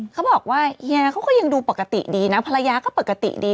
เขาบอกว่าเฮียเขาก็ยังดูปกติดีนะภรรยาก็ปกติดี